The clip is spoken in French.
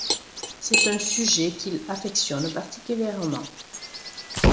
C'est un sujet qu'il affectionne particulièrement.